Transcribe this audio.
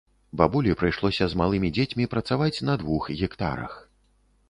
Бабулі прыйшлося з малымі дзецьмі працаваць на двух гектарах.